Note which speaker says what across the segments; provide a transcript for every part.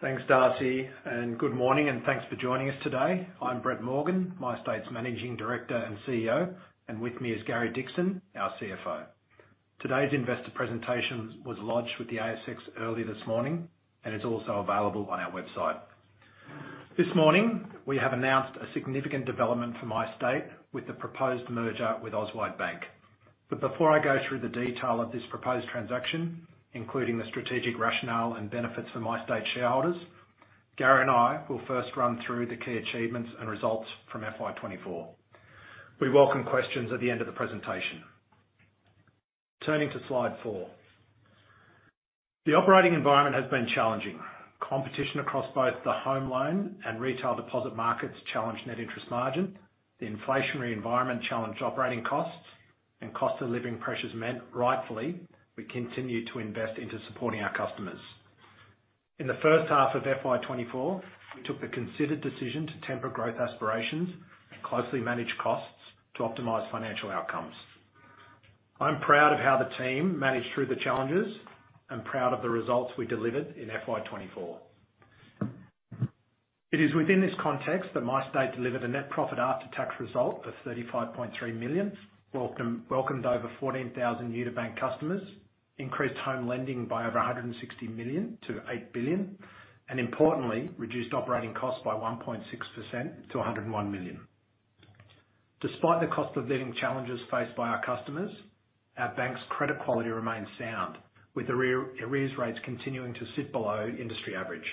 Speaker 1: Thanks, Darcy, and good morning, and thanks for joining us today. I'm Brett Morgan, MyState's Managing Director and CEO, and with me is Gary Dixon, our CFO. Today's investor presentation was lodged with the ASX earlier this morning and is also available on our website. This morning, we have announced a significant development for MyState with the proposed merger with Auswide Bank. But before I go through the detail of this proposed transaction, including the strategic rationale and benefits for MyState shareholders, Gary and I will first run through the key achievements and results from FY 2024. We welcome questions at the end of the presentation. Turning to Slide 4. The operating environment has been challenging.
Speaker 2: Competition across both the home loan and retail deposit markets challenged net interest margin, the inflationary environment challenged operating costs, and cost of living pressures meant, rightfully, we continued to invest into supporting our customers. In the first half of FY 2024, we took the considered decision to temper growth aspirations and closely manage costs to optimize financial outcomes. I'm proud of how the team managed through the challenges and proud of the results we delivered in FY 2024. It is within this context that MyState delivered a net profit after-tax result of 35.3 million, welcomed over 14,000 UniBank customers, increased home lending by over 160 million to 8 billion, and importantly, reduced operating costs by 1.6% to 101 million. Despite the cost of living challenges faced by our customers, our bank's credit quality remains sound, with arrears rates continuing to sit below industry average.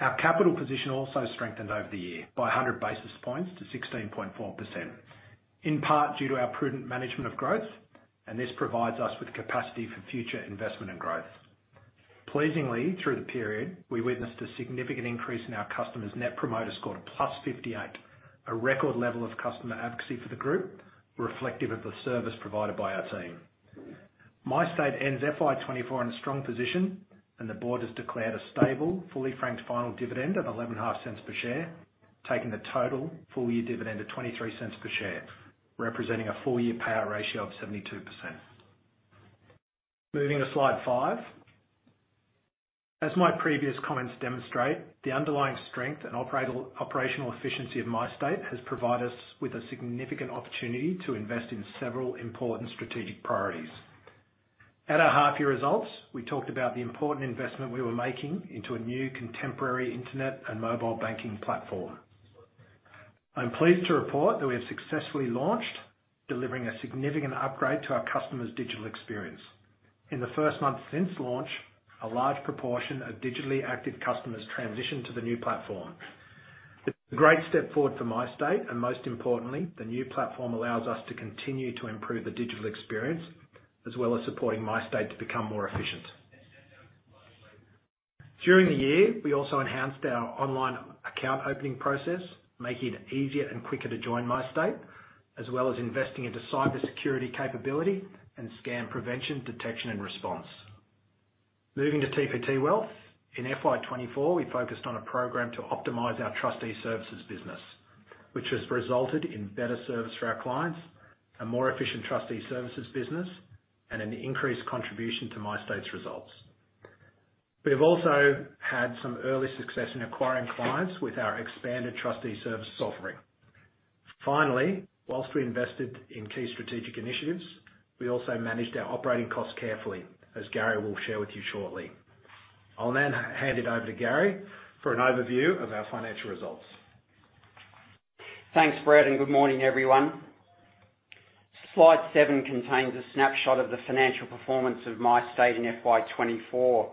Speaker 2: Our capital position also strengthened over the year by 100 basis points to 16.4%, in part due to our prudent management of growth, and this provides us with capacity for future investment and growth. Pleasingly, through the period, we witnessed a significant increase in our customers' Net Promoter Score of +58, a record level of customer advocacy for the group, reflective of the service provided by our team. MyState ends FY 2024 in a strong position, and the board has declared a stable, fully franked final dividend of 0.115 per share, taking the total full-year dividend to 0.23 per share, representing a full-year payout ratio of 72%. Moving to Slide 5. As my previous comments demonstrate, the underlying strength and operational efficiency of MyState has provided us with a significant opportunity to invest in several important strategic priorities. At our half-year results, we talked about the important investment we were making into a new contemporary internet and mobile banking platform. I'm pleased to report that we have successfully launched, delivering a significant upgrade to our customers' digital experience. In the first month since launch, a large proportion of digitally active customers transitioned to the new platform. It's a great step forward for MyState, and most importantly, the new platform allows us to continue to improve the digital experience, as well as supporting MyState to become more efficient. During the year, we also enhanced our online account opening process, making it easier and quicker to join MyState, as well as investing into cybersecurity capability and scam prevention, detection, and response. Moving to TPT Wealth. In FY2024, we focused on a program to optimize our trustee services business, which has resulted in better service for our clients, a more efficient trustee services business, and an increased contribution to MyState's results. We have also had some early success in acquiring clients with our expanded trustee service offering. Finally, while we invested in key strategic initiatives, we also managed our operating costs carefully, as Gary will share with you shortly. I'll now hand it over to Gary for an overview of our financial results.
Speaker 3: Thanks, Brett, and good morning, everyone. Slide 7 contains a snapshot of the financial performance of MyState in FY 2024.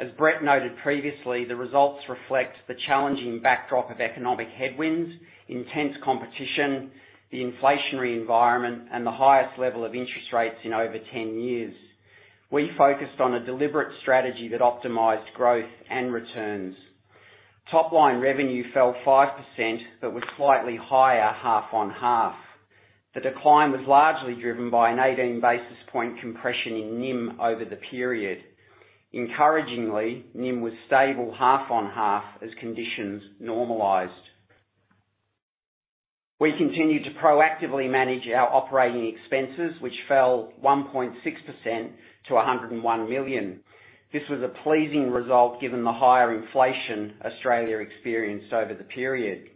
Speaker 3: As Brett noted previously, the results reflect the challenging backdrop of economic headwinds, intense competition, the inflationary environment, and the highest level of interest rates in over 10 years. We focused on a deliberate strategy that optimized growth and returns. Top-line revenue fell 5% but was slightly higher half-on-half. The decline was largely driven by an 18 basis point compression in NIM over the period. Encouragingly, NIM was stable half-on-half as conditions normalized. We continued to proactively manage our operating expenses, which fell 1.6% to 101 million. This was a pleasing result, given the higher inflation Australia experienced over the period.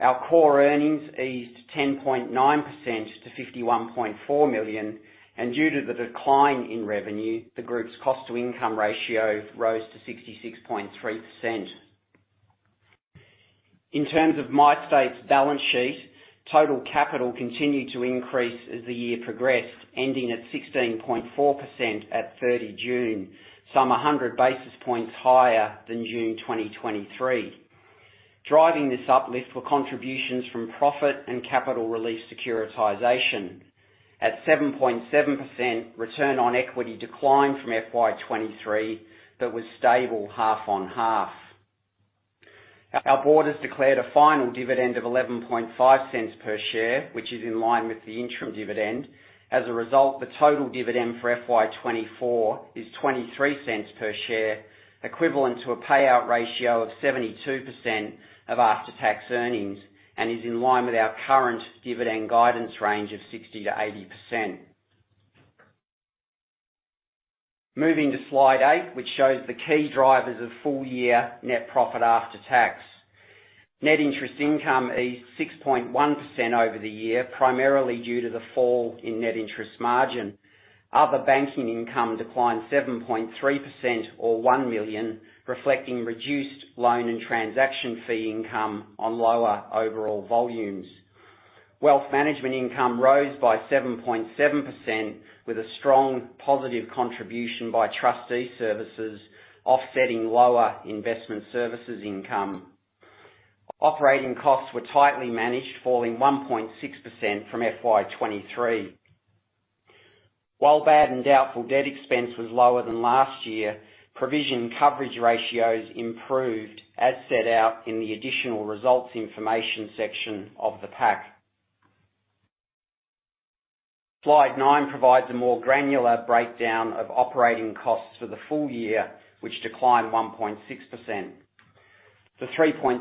Speaker 2: Our core earnings eased 10.9% to 51.4 million, and due to the decline in revenue, the group's cost-to-income ratio rose to 66.3%. In terms of MyState's balance sheet, total capital continued to increase as the year progressed, ending at 16.4% at 30 June, some 100 basis points higher than June 2023. Driving this uplift were contributions from profit and capital relief securitization. At 7.7%, return on equity declined from FY 2023, but was stable half-on-half. Our board has declared a final dividend of 0.115 per share, which is in line with the interim dividend. As a result, the total dividend for FY 2024 is 0.23 per share, equivalent to a payout ratio of 72% of after-tax earnings and is in line with our current dividend guidance range of 60%-80%... Moving to Slide 8, which shows the key drivers of full-year net profit after tax. Net interest income eased 6.1% over the year, primarily due to the fall in net interest margin. Other banking income declined 7.3% or 1 million, reflecting reduced loan and transaction fee income on lower overall volumes. Wealth management income rose by 7.7%, with a strong positive contribution by trustee services, offsetting lower investment services income. Operating costs were tightly managed, falling 1.6% from FY 2023. While bad and doubtful debt expense was lower than last year, provision coverage ratios improved, as set out in the additional results information section of the pack. Slide 9 provides a more granular breakdown of operating costs for the full-year, which declined 1.6%. The 3.3%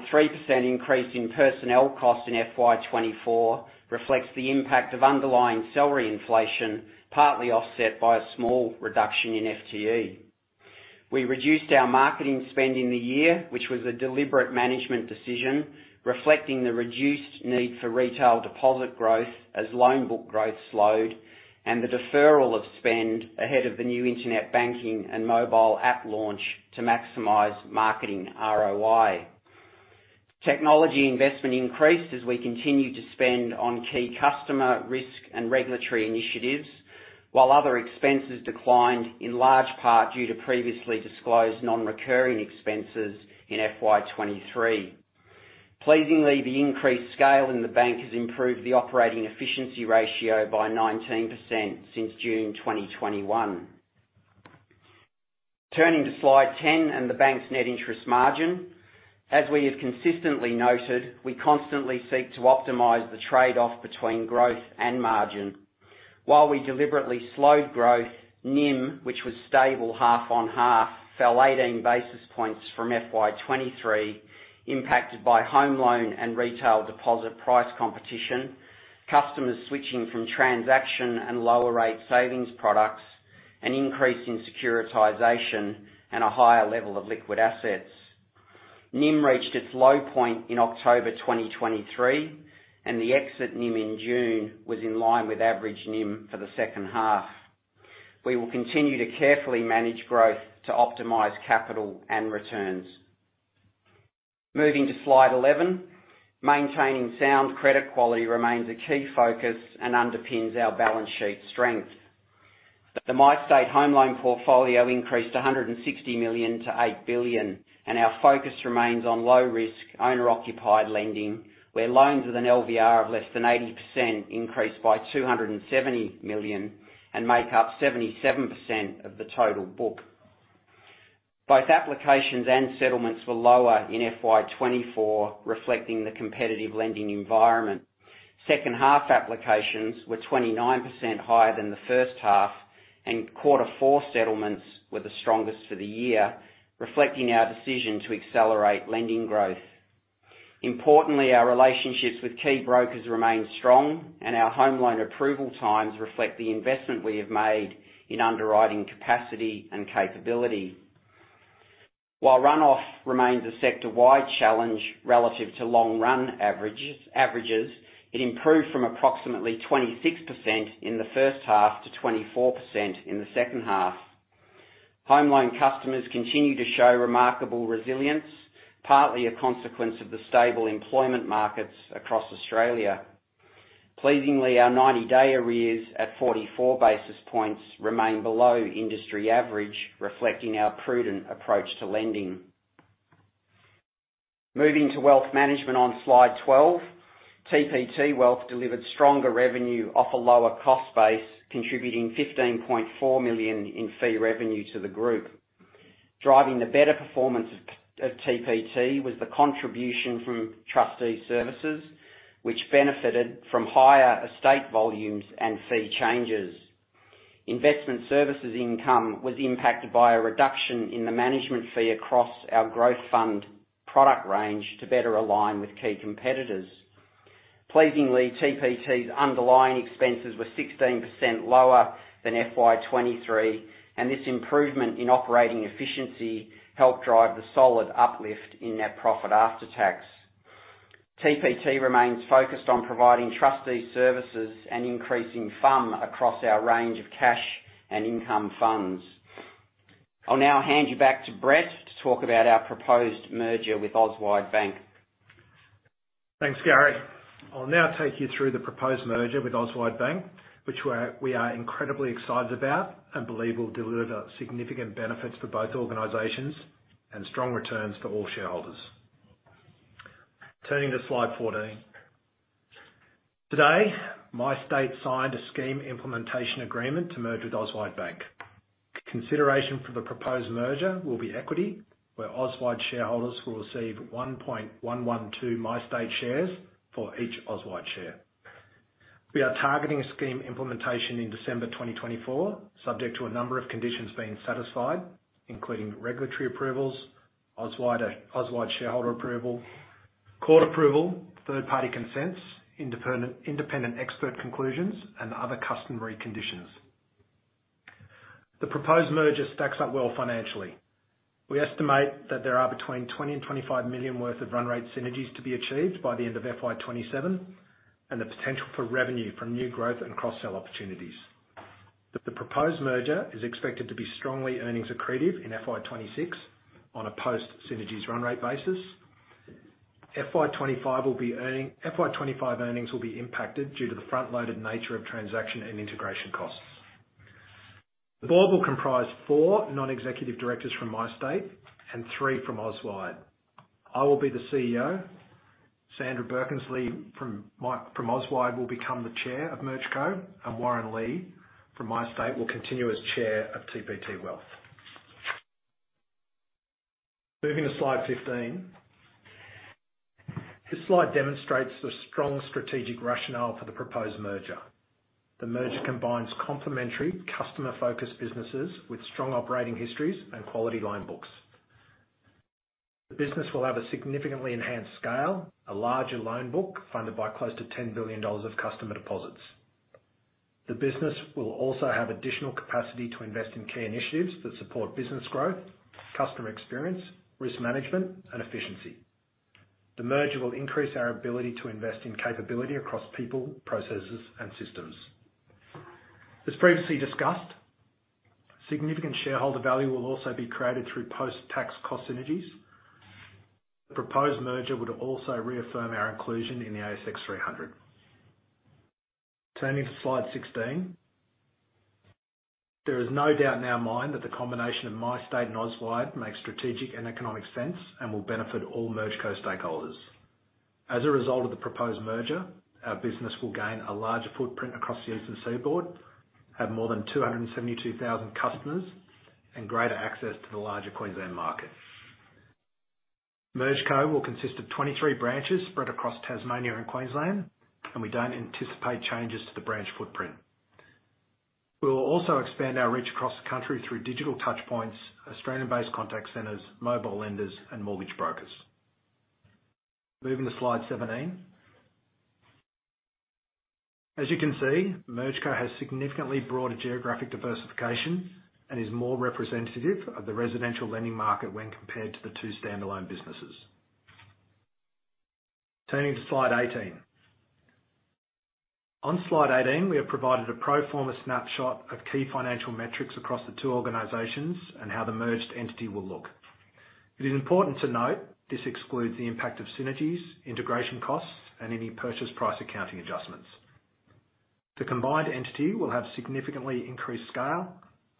Speaker 2: increase in personnel costs in FY 2024 reflects the impact of underlying salary inflation, partly offset by a small reduction in FTE. We reduced our marketing spend in the year, which was a deliberate management decision, reflecting the reduced need for retail deposit growth as loan book growth slowed, and the deferral of spend ahead of the new internet banking and mobile app launch to maximize marketing ROI. Technology investment increased as we continued to spend on key customer, risk, and regulatory initiatives, while other expenses declined, in large part due to previously disclosed non-recurring expenses in FY 2023. Pleasingly, the increased scale in the bank has improved the operating efficiency ratio by 19% since June 2021. Turning to Slide 10 and the bank's net interest margin. As we have consistently noted, we constantly seek to optimize the trade-off between growth and margin. While we deliberately slowed growth, NIM, which was stable half-on-half, fell eighteen basis points from FY 2023, impacted by home loan and retail deposit price competition, customers switching from transaction and lower rate savings products, an increase in securitization, and a higher level of liquid assets. NIM reached its low point in October 2023, and the exit NIM in June was in line with average NIM for the second half. We will continue to carefully manage growth to optimize capital and returns. Moving to Slide 11, maintaining sound credit quality remains a key focus and underpins our balance sheet strength. The MyState home loan portfolio increased from 160 million to 8 billion, and our focus remains on low-risk, owner-occupied lending, where loans with an LVR of less than 80% increased by 270 million and make up 77% of the total book. Both applications and settlements were lower in FY 2024, reflecting the competitive lending environment. Second half applications were 29% higher than the first half, and quarter four settlements were the strongest for the year, reflecting our decision to accelerate lending growth. Importantly, our relationships with key brokers remain strong, and our home loan approval times reflect the investment we have made in underwriting capacity and capability. While runoff remains a sector-wide challenge relative to long-run averages, it improved from approximately 26% in the first half to 24% in the second half. Home loan customers continue to show remarkable resilience, partly a consequence of the stable employment markets across Australia. Pleasingly, our 90-day arrears at 44 basis points remain below industry average, reflecting our prudent approach to lending. Moving to wealth management on Slide 12, TPT Wealth delivered stronger revenue off a lower cost base, contributing 15.4 million in fee revenue to the group. Driving the better performance of TPT was the contribution from trustee services, which benefited from higher estate volumes and fee changes. Investment services income was impacted by a reduction in the management fee across our growth fund product range to better align with key competitors. Pleasingly, TPT's underlying expenses were 16% lower than FY 2023, and this improvement in operating efficiency helped drive the solid uplift in net profit after tax. TPT remains focused on providing trustee services and increasing FUM across our range of cash and income funds. I'll now hand you back to Brett to talk about our proposed merger with Auswide Bank.
Speaker 1: Thanks, Gary. I'll now take you through the proposed merger with Auswide Bank, which we are incredibly excited about and believe will deliver significant benefits for both organizations and strong returns for all shareholders. Turning to Slide 14. Today, MyState signed a scheme implementation agreement to merge with Auswide Bank. Consideration for the proposed merger will be equity, where Auswide shareholders will receive 1.112 MyState shares for each Auswide share. We are targeting a scheme implementation in December 2024, subject to a number of conditions being satisfied, including regulatory approvals, Auswide shareholder approval, court approval, third party consents, independent expert conclusions, and other customary conditions. The proposed merger stacks up well financially.
Speaker 2: We estimate that there are between 20 million and 25 million worth of run rate synergies to be achieved by the end of FY 2027, and the potential for revenue from new growth and cross-sell opportunities. The proposed merger is expected to be strongly earnings accretive in FY 2026 on a post synergies run rate basis. FY 2025 earnings will be impacted due to the front-loaded nature of transaction and integration costs. The board will comprise four non-executive directors from MyState and three from Auswide. I will be the CEO, Sandra Birkensleigh from Auswide will become the chair of MergeCo, and Warren Lee from MyState will continue as chair of TPT Wealth. Moving to Slide 15. This slide demonstrates the strong strategic rationale for the proposed merger. The merger combines complementary customer-focused businesses with strong operating histories and quality loan books. The business will have a significantly enhanced scale, a larger loan book, funded by close to 10 billion dollars of customer deposits. The business will also have additional capacity to invest in key initiatives that support business growth, customer experience, risk management, and efficiency. The merger will increase our ability to invest in capability across people, processes, and systems. As previously discussed, significant shareholder value will also be created through post-tax cost synergies. The proposed merger would also reaffirm our inclusion in the ASX 300. Turning to Slide 16. There is no doubt in our mind that the combination of MyState and Auswide makes strategic and economic sense and will benefit all MergeCo stakeholders. As a result of the proposed merger, our business will gain a larger footprint across the eastern seaboard, have more than 272,000 customers, and greater access to the larger Queensland market. MergeCo will consist of 23 branches spread across Tasmania and Queensland, and we don't anticipate changes to the branch footprint. We will also expand our reach across the country through digital touchpoints, Australian-based contact centers, mobile lenders, and mortgage brokers. Moving to Slide 17. As you can see, MergeCo has significantly broader geographic diversification and is more representative of the residential lending market when compared to the two standalone businesses. Turning to Slide 18. On Slide 18, we have provided a pro forma snapshot of key financial metrics across the two organizations and how the merged entity will look. It is important to note, this excludes the impact of synergies, integration costs, and any purchase price accounting adjustments. The combined entity will have significantly increased scale,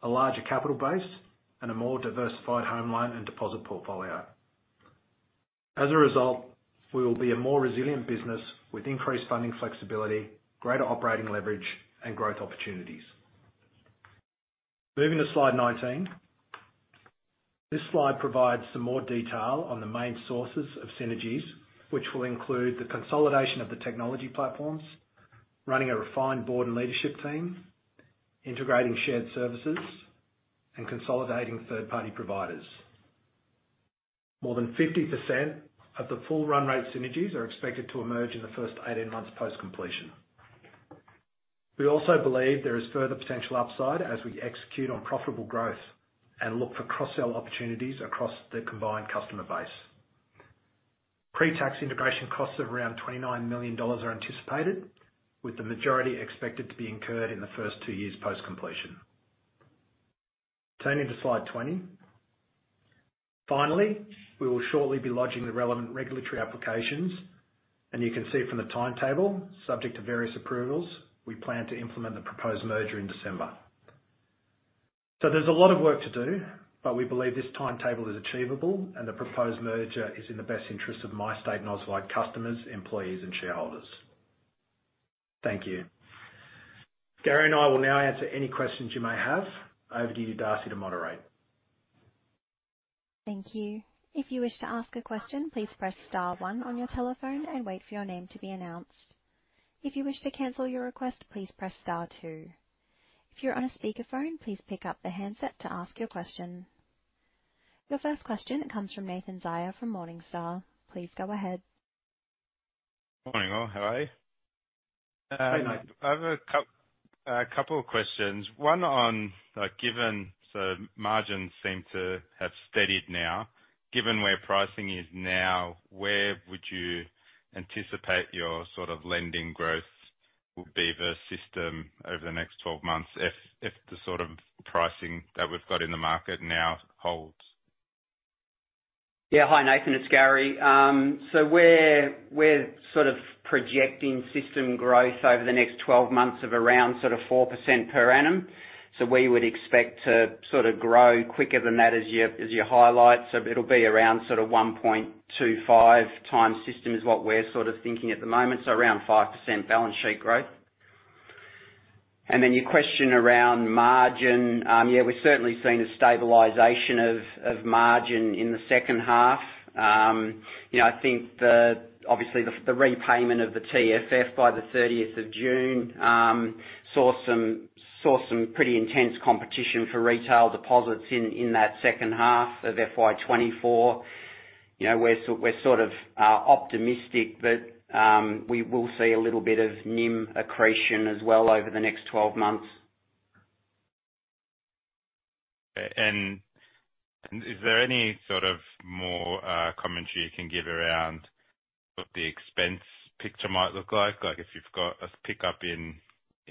Speaker 2: a larger capital base, and a more diversified home loan and deposit portfolio. As a result, we will be a more resilient business with increased funding flexibility, greater operating leverage, and growth opportunities. Moving to Slide 19. This slide provides some more detail on the main sources of synergies, which will include the consolidation of the technology platforms, running a refined board and leadership team, integrating shared services, and consolidating third-party providers. More than 50% of the full run rate synergies are expected to emerge in the first 18 months post-completion. We also believe there is further potential upside as we execute on profitable growth and look for cross-sell opportunities across the combined customer base. Pre-tax integration costs of around 29 million dollars are anticipated, with the majority expected to be incurred in the first two years post-completion. Turning to Slide 20. Finally, we will shortly be lodging the relevant regulatory applications, and you can see from the timetable, subject to various approvals, we plan to implement the proposed merger in December. So there's a lot of work to do, but we believe this timetable is achievable, and the proposed merger is in the best interest of MyState and Auswide customers, employees, and shareholders. Thank you. Gary and I will now answer any questions you may have. Over to you, Darcy, to moderate.
Speaker 4: Thank you. If you wish to ask a question, please press Star one on your telephone and wait for your name to be announced. If you wish to cancel your request, please press Star two. If you're on a speakerphone, please pick up the handset to ask your question. Your first question comes from Nathan Zaia from Morningstar. Please go ahead.
Speaker 5: Morning, all. How are you?
Speaker 1: Hey, Nathan.
Speaker 5: I have a couple of questions. One on, like, given, so margins seem to have steadied now. Given where pricing is now, where would you anticipate your sort of lending growth will be, the system over the next 12 months, if the sort of pricing that we've got in the market now holds?
Speaker 3: Yeah. Hi, Nathan, it's Gary. So we're projecting system growth over the next 12 months of around 4% per annum. So we would expect to grow quicker than that as your highlight. So it'll be around 1.25x system, is what we're thinking at the moment, so around 5% balance sheet growth. And then your question around margin, yeah, we've certainly seen a stabilization of margin in the second half. You know, I think obviously the repayment of the TFF by the thirtieth of June saw some pretty intense competition for retail deposits in that second half of FY 2024.
Speaker 2: You know, we're sort of optimistic that we will see a little bit of NIM accretion as well over the next 12 months.
Speaker 5: Is there any sort of more commentary you can give around what the expense picture might look like? Like, if you've got a pick-up in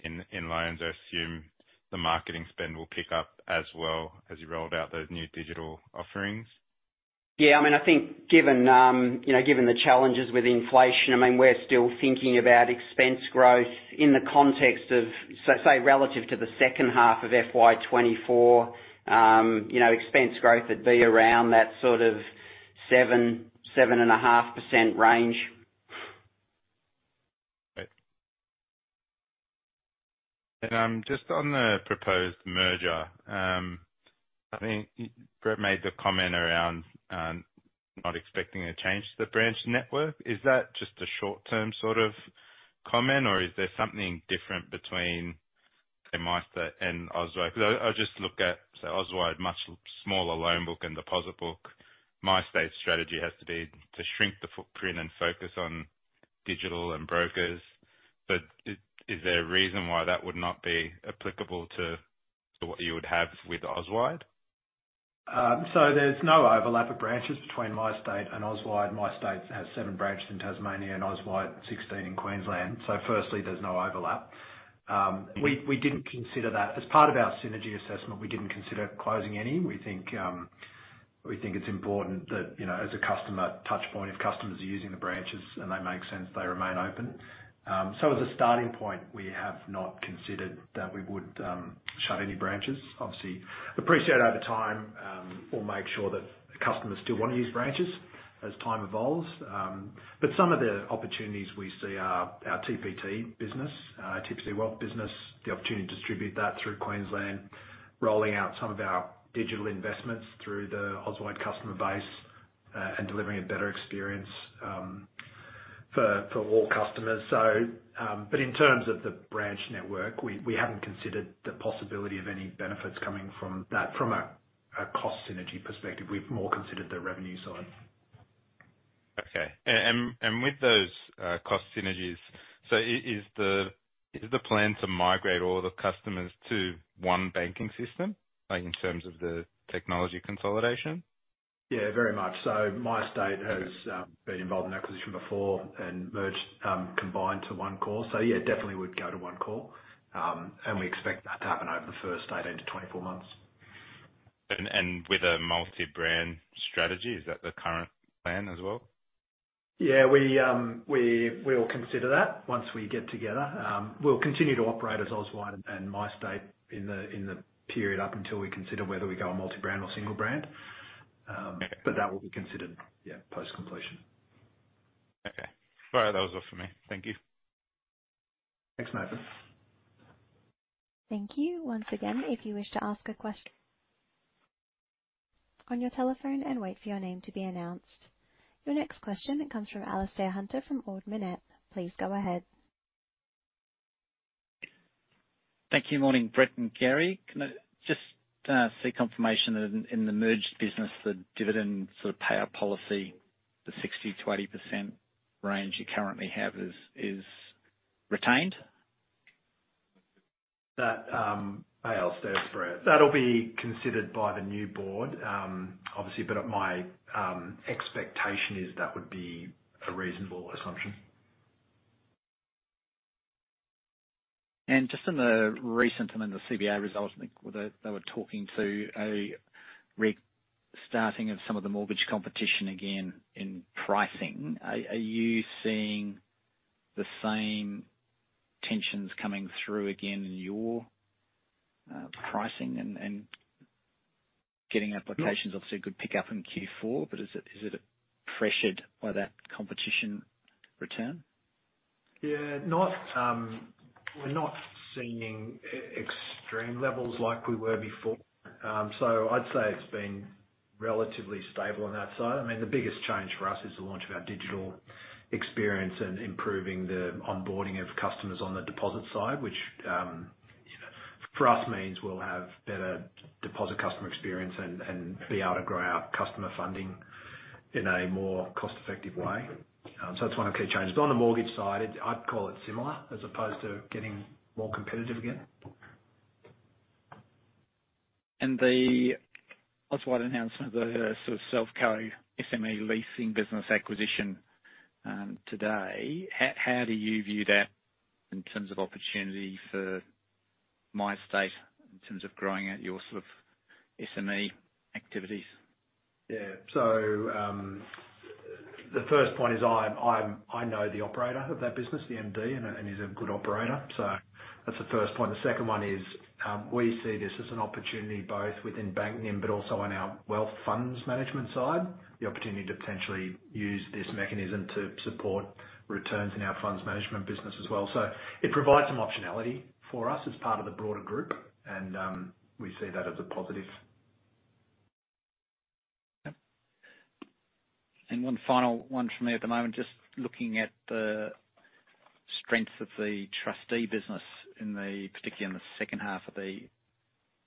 Speaker 5: loans, I assume the marketing spend will pick up as well, as you roll out those new digital offerings.
Speaker 3: Yeah, I mean, I think given you know, given the challenges with inflation, I mean, we're still thinking about expense growth in the context of, say, relative to the second half of FY 2024, you know, expense growth would be around that sort of 7%-7.5% range.
Speaker 5: Great. And, just on the proposed merger, I think Brett made the comment around, not expecting a change to the branch network. Is that just a short-term sort of comment, or is there something different between, say, MyState and Auswide? Because I just look at, so Auswide, much smaller loan book and deposit book. MyState's strategy has to be to shrink the footprint and focus on digital and brokers. But is there a reason why that would not be applicable to what you would have with Auswide?
Speaker 1: So there's no overlap of branches between MyState and Auswide. MyState has seven branches in Tasmania, and Auswide, 16 in Queensland. Firstly, there's no overlap. We didn't consider that. As part of our synergy assessment, we didn't consider closing any. We think it's important that, you know, as a customer touchpoint, if customers are using the branches and they make sense, they remain open. So as a starting point, we have not considered that we would shut any branches. Obviously, appreciate over time, we'll make sure that customers still want to use branches as time evolves.
Speaker 2: But some of the opportunities we see are our TPT business, TPT Wealth business, the opportunity to distribute that through Queensland, rolling out some of our digital investments through the Auswide customer base, and delivering a better experience for all customers. So. But in terms of the branch network, we haven't considered the possibility of any benefits coming from that from a cost synergy perspective. We've more considered the revenue side. Okay. And with those cost synergies, so is the plan to migrate all the customers to one banking system, like, in terms of the technology consolidation?
Speaker 1: Yeah, very much so. MyState has been involved in acquisition before and merged, combined to one core. So yeah, definitely would go to one core. And we expect that to happen over the first 18 to 24 months.
Speaker 5: With a multi-brand strategy, is that the current plan as well?
Speaker 1: Yeah, we'll consider that once we get together. We'll continue to operate as Auswide and MyState in the period up until we consider whether we go a multi-brand or single brand. But that will be considered, yeah, post-completion.
Speaker 5: Okay. All right, that was all for me. Thank you.
Speaker 1: Thanks, Nathan.
Speaker 4: Thank you. Once again, if you wish to ask a question, press Star one on your telephone and wait for your name to be announced. Your next question comes from Alistair Hunter from Ord Minnett. Please go ahead.
Speaker 2: Thank you. Morning, Brett and Gary. Can I just seek confirmation that in the merged business, the dividend sort of payout policy, the 60%-80% range you currently have is retained?
Speaker 1: That, Alistair, it's Brett. That'll be considered by the new board, obviously, but my expectation is that would be a reasonable assumption.
Speaker 2: And just on the recent, I mean, the CBA results, I think they were talking to a restarting of some of the mortgage competition again in pricing. Are you seeing the same tensions coming through again in your pricing and getting applications? Obviously, a good pick-up in Q4, but is it pressured by that competition return?
Speaker 1: Yeah, not. We're not seeing extreme levels like we were before. So I'd say it's been relatively stable on that side. I mean, the biggest change for us is the launch of our digital experience and improving the onboarding of customers on the deposit side, which, for us means we'll have better deposit customer experience and be able to grow our customer funding in a more cost-effective way. So that's one of the key changes. But on the mortgage side, it- I'd call it similar, as opposed to getting more competitive again.
Speaker 2: The Auswide announcement, the sort of Selfco SME leasing business acquisition, today, how do you view that in terms of opportunity for MyState, in terms of growing out your sort of SME activities?
Speaker 1: Yeah. So, the first point is I know the operator of that business, the MD, and he's a good operator. So that's the first point. The second one is, we see this as an opportunity, both within banking, but also on our wealth funds management side, the opportunity to potentially use this mechanism to support returns in our funds management business as well. So it provides some optionality for us as part of the broader group, and we see that as a positive.
Speaker 2: Yep, and one final one from me at the moment. Just looking at the strength of the trustee business in the, particularly in the second half of the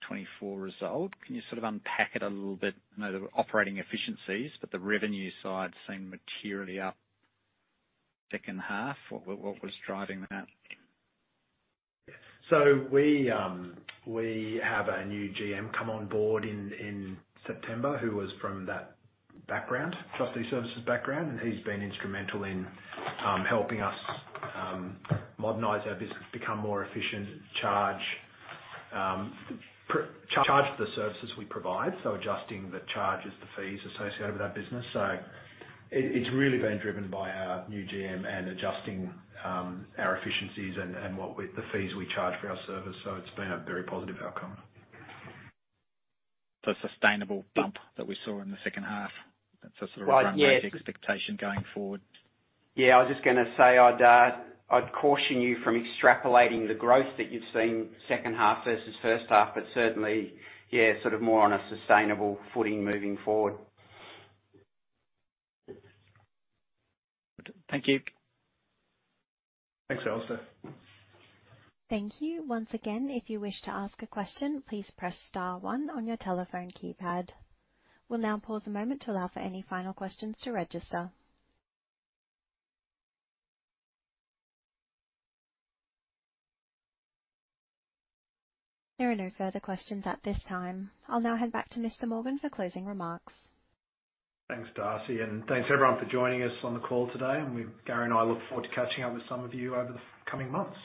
Speaker 2: 2024 result, can you sort of unpack it a little bit? I know the operating efficiencies, but the revenue side seemed materially up second half. What was driving that?
Speaker 1: So we have a new GM come on board in September, who was from that background, trustee services background, and he's been instrumental in helping us modernize our business, become more efficient, charge the services we provide, so adjusting the charges, the fees associated with that business. So it's really been driven by our new GM and adjusting our efficiencies and the fees we charge for our service. So it's been a very positive outcome.
Speaker 2: So a sustainable bump that we saw in the second half-
Speaker 1: Right, yeah.
Speaker 2: -that's a sort of growth expectation going forward?
Speaker 3: Yeah, I was just going to say, I'd caution you from extrapolating the growth that you've seen second half versus first half, but certainly, yeah, sort of more on a sustainable footing moving forward.
Speaker 2: Thank you.
Speaker 1: Thanks, Alistair.
Speaker 4: Thank you. Once again, if you wish to ask a question, please press Star one on your telephone keypad. We'll now pause a moment to allow for any final questions to register. There are no further questions at this time. I'll now head back to Mr. Morgan for closing remarks.
Speaker 1: Thanks, Darcy, and thanks everyone for joining us on the call today, and Gary and I look forward to catching up with some of you over the coming months.